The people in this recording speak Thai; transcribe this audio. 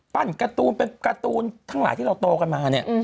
การ์ตูนเป็นการ์ตูนทั้งหลายที่เราโตกันมาเนี่ย